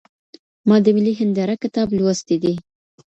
ما د ملي هنداره کتاب لوستی دی.